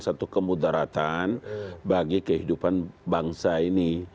satu kemudaratan bagi kehidupan bangsa ini